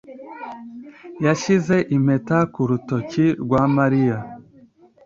Yashyize impeta ku rutoki rwa Mariya.